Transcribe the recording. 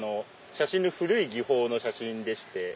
古い技法の写真でして。